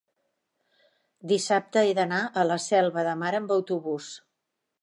dissabte he d'anar a la Selva de Mar amb autobús.